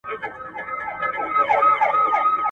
د ستونزو د حل لپاره تل خپلي نظریې شریکي کړئ.